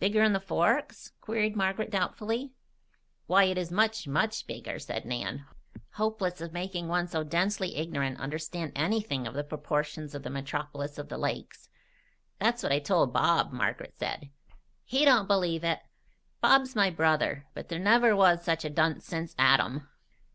"Bigger'n the Forks?" queried Margaret doubtfully. "Why, it is much, much bigger," said Nan, hopeless of making one so densely ignorant understand anything of the proportions of the metropolis of the lakes. "That's what I told Bob," Margaret said. "He don't believe it. Bob's my brother, but there never was such a dunce since Adam."